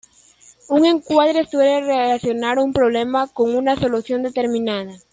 Un encuadre suele relacionar un problema con una solución determinada.